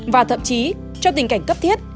và thậm chí trong tình cảnh cấp thiết